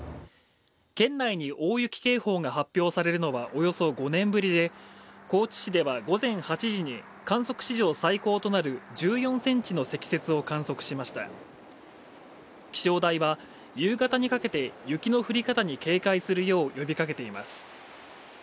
県内に大雪警報が発表されるのはおよそ５年ぶりで高知市では午前８時に観測史上最高となる１４ｃｍの積雪を観測しました気象台は夕方にかけて雪の降り方に警戒するよう呼びかけています